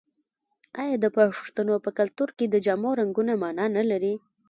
آیا د پښتنو په کلتور کې د جامو رنګونه مانا نلري؟